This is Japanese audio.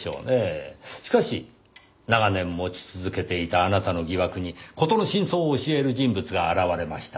しかし長年持ち続けていたあなたの疑惑に事の真相を教える人物が現れました。